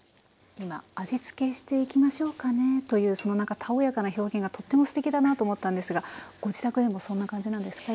今「味付けしていきましょうかね」というそのなんかたおやかな表現がとってもすてきだなと思ったんですがご自宅でもそんな感じなんですか？